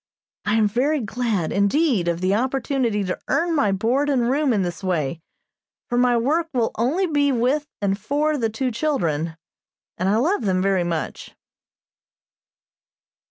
I am very glad, indeed, of the opportunity to earn my board and room in this way, for my work will only be with and for the two children, and I love them very much.